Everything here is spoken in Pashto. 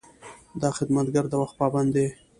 دا خدمتګر د وخت پابند دی.